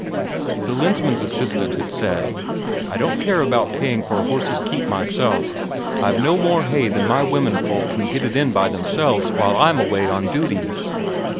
The Lensmand's assistant had said: "I don't care about paying for a horse's keep myself; I've no more hay than my womenfolk can get it in by themselves while I'm away on duty."